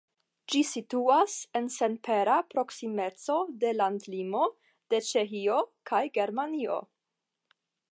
Ĝi situas en senpera proksimeco de landlimo de Ĉeĥio kaj Germanio.